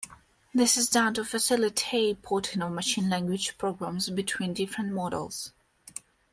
This is done to facilitate porting of machine language programs between different models.